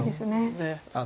ねえ。